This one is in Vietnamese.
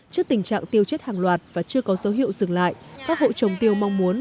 trước tình trạng tiêu chết hàng loạt và chưa có dấu hiệu dừng lại các hộ trồng tiêu mong muốn